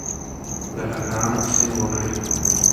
له ډاکټرانو پوښتنې وکړئ.